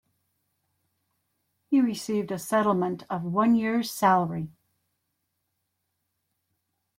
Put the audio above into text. He received a settlement of one year's salary.